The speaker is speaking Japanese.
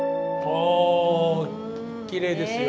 おきれいですよ！